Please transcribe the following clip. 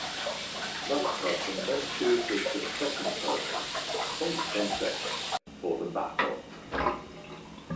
That person then chooses the second person (from the same sex) for the Battle.